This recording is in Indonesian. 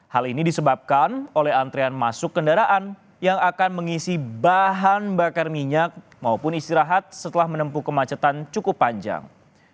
hal ini disebabkan oleh antrean masuk kendaraan yang akan mengisi bahan bakar minyak maupun istirahat setelah menempuh kemacetan cukup panjang